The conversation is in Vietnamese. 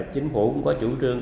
chính phủ cũng có chủ trương